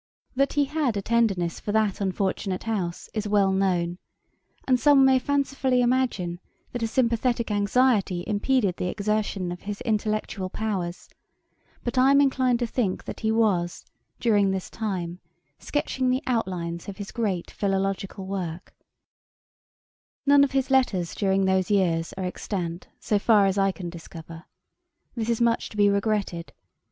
That he had a tenderness for that unfortunate House, is well known; and some may fancifully imagine, that a sympathetick anxiety impeded the exertion of his intellectual powers: but I am inclined to think, that he was, during this time, sketching the outlines of his great philological work. [Page 177: Johnson not an ardent Jacobite. Ætat 38.] None of his letters during those years are extant, so far as I can discover. This is much to be regretted.